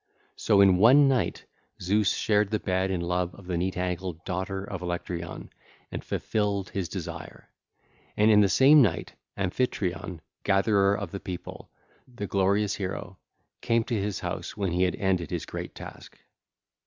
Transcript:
So in one night Zeus shared the bed and love of the neat ankled daughter of Electyron and fulfilled his desire; and in the same night Amphitryon, gatherer of the people, the glorious hero, came to his house when he had ended his great task.